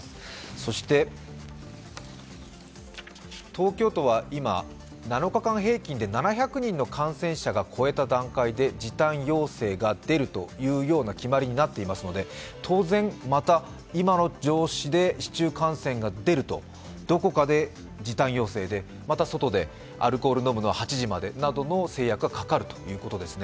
そして東京都は今、７日間平均で７００人の感染者が超えた段階で時短要請が出るというような決まりになっていますので当然、また今の調子で市中感染が出るとどこかで時短要請で、また外でアルコールを飲むのは８時までなどの制約がかかるということですね。